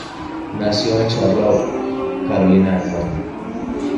Nació en Charlotte, Carolina del Norte.